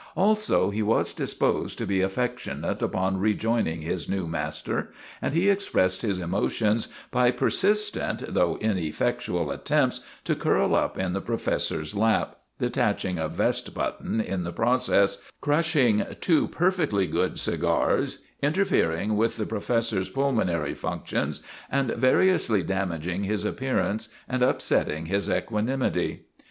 Also he was disposed to be af fectionate upon rejoining his new master, and he expressed his emotions by persistent though inef fectual attempts to curl up in the professor's lap, detaching a vest button in the process, crushing two perfectly good cigars, interfering with the pro fessor's pulmonary functions, and variously damag ing his appearance and upsetting his equanimity.